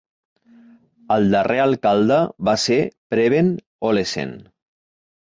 El darrer alcalde va ser Preben Olesen.